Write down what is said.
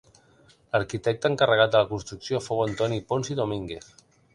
L'arquitecte encarregat de la construcció fou Antoni Pons i Domínguez.